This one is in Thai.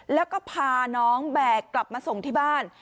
แล้วก็พาน้องแบกกลับมาส่งที่บ้าน